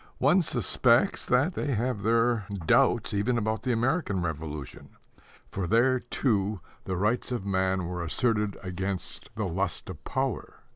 One suspects that they have their doubts even about the American Revolution; for there, too, the rights of man were asserted against the lust of power.